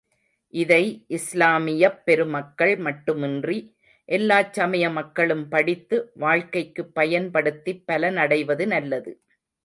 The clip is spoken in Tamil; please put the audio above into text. இதை இஸ்லாமியப் பெருமக்கள் மட்டுமின்றி, எல்லாச் சமய மக்களும் படித்து, வாழ்க்கைக்குப் பயன்படுத்திப் பலனடைவது நல்லது.